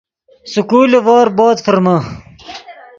سکول لیڤور بود ڤرمے